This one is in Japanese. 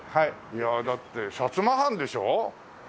いやあだって摩藩でしょ？